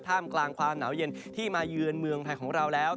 กลางความหนาวเย็นที่มาเยือนเมืองไทยของเราแล้ว